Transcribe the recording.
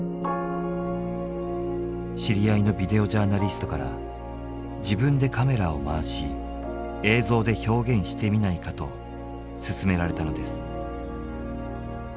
知り合いのビデオジャーナリストから自分でカメラを回し映像で表現してみないかと勧められたのです。